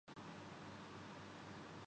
پکانے کی ترکیب پر روشنی ڈالی